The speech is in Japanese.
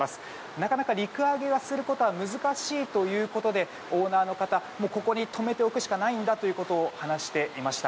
なかなか陸揚げすることは難しいということでオーナーの方ここに止めておくしかないんだということを話していました。